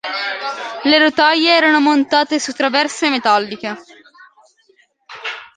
Le rotaie erano montate su traverse metalliche.